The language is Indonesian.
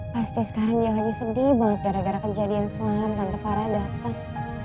pasti sekarang dia lagi sedih banget gara gara kejadian semalam tante farah datang